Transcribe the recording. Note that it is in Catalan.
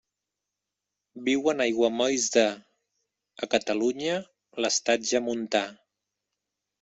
Viu en aiguamolls de, a Catalunya, l'estatge montà.